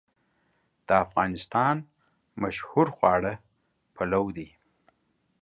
د افغانستان مشهور خواړه پلو دی